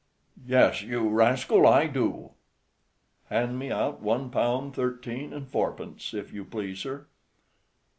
"Yes, you rascal, I do." "Hand me out one pound thirteen and fourpence, if you please, sir."